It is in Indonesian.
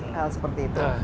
hal seperti itu